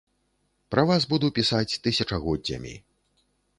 Пра вас буду пісаць тысячагоддзямі.